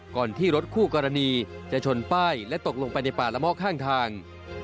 ก่อนที่รถคู่กรณีจะชนป้ายและตกลงไปในป่าละมอกข้างทาง